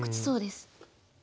そうです。